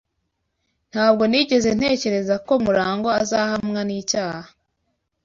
Ntabwo nigeze ntekereza ko MuragwA azahamwa n'icyaha.